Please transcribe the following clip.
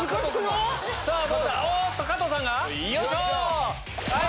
おっと加藤さんがよいしょ！